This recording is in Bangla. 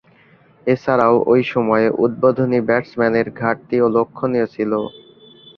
এছাড়াও, ঐ সময়ে উদ্বোধনী ব্যাটসম্যানের ঘাটতি লক্ষ্যণীয় ছিল।